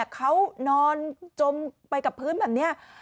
เขานอนจมไปกับพื้นแบบนี้